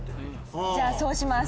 じゃあそうします。